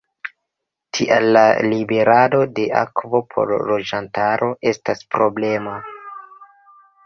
Tial la liverado de akvo por loĝantaro estas problema.